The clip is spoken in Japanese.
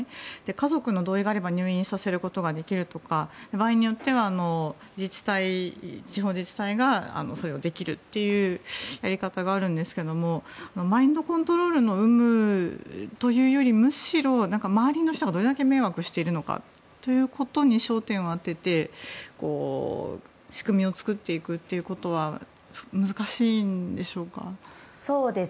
家族の同意があれば入院させることができるとか場合によっては地方自治体ができるというやり方があるんですがマインドコントロールの有無というよりもむしろ周りの人がどれだけ迷惑をしているのかということに焦点を当てて仕組みを作っていくということは難しいんでしょうか？